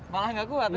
malah nggak kuat ya